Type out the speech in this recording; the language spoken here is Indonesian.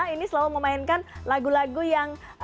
ini selalu memainkan lagu lagu yang